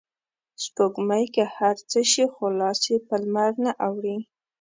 سپوږمۍ که هر څه شي خو لاس یې په لمرنه اوړي